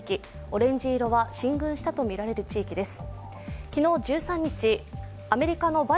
オレンジ色は進軍したとみられる地域です。